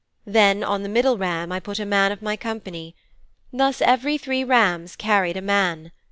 Then on the middle ram I put a man of my company. Thus every three rams carried a man.